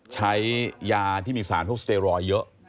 ใช้ยาที่มีสารพวกสเตรอยเยอะ